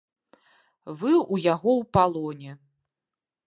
Вы ў яго ў палоне.